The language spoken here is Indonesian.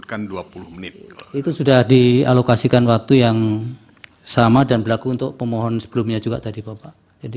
terima kasih yang mulia